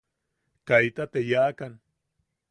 Kaita te yaʼakan.